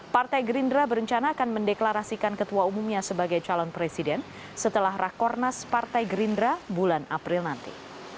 partai gerindra berencana akan mendeklarasikan ketua umumnya sebagai calon presiden setelah rakornas partai gerindra bulan april nanti